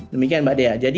demikian mbak dea